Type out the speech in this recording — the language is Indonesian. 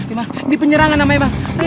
ini penyerangan amai bangkot